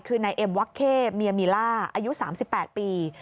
คือนายเอ็มวักเข้เมียมีล่าอายุ๓๘ปี